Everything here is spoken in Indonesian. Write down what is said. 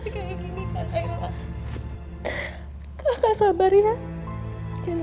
kamu tenang sekarang aku udah disini kamu aman